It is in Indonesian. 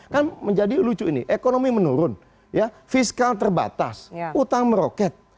kan menjadi lucu ini ekonomi menurun ya fiskal terbatas utang meroket